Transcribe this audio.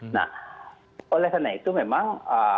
nah oleh karena itu memang